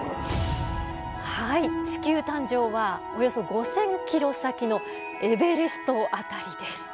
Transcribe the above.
はい地球誕生はおよそ５，０００キロ先のエベレスト辺りです。